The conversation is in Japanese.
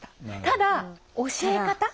ただ教え方？